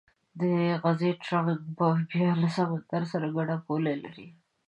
د غزې تړانګه بیا له سمندر سره ګډه پوله لري.